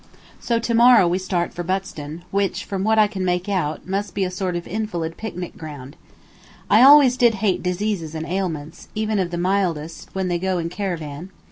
So to morrow we start for Buxton, which, from what I can make out, must be a sort of invalid picnic ground. I always did hate diseases and ailments, even of the mildest, when they go in caravan.